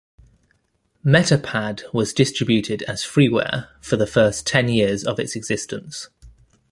Metapad was distributed as freeware for the first ten years of its existence.